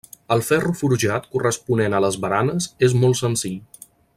El ferro forjat corresponent a les baranes és molt senzill.